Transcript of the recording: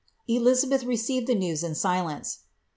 EtiMbeih received the news in silence.'